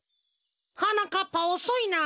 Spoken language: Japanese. はなかっぱおそいな。